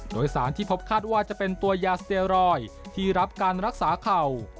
โดยสารที่พบคาดว่าจะเป็นตัวยาสเตรอยที่รับการรักษาเข่า